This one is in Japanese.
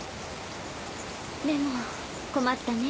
でも困ったね。